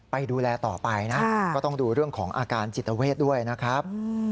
ดูแลต่อไปนะก็ต้องดูเรื่องของอาการจิตเวทด้วยนะครับ